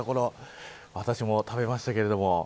私も食べましたけど。